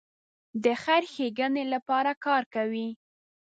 د خیر ښېګڼې لپاره کار کوي.